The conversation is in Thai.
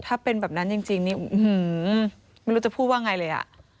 ถ้าเป็นแบบนั้นจริงนี่ไม่รู้จะพูดว่าไงเลยอ่ะ